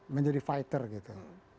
menjadi fighter gitu